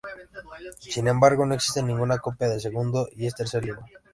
Sin embargo, no existe ninguna copia del segundo y el tercer libro.